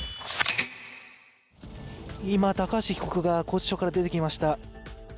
今、高橋被告が拘置所から出てきました。